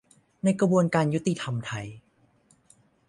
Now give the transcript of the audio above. ในกระบวนการยุติธรรมไทย